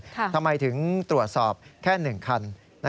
ทำไมถึงตรวจสอบแค่๑คัน